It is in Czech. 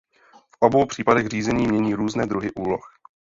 V obou případech řízení mění různé druhy úloh.